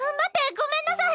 ごめんなさい。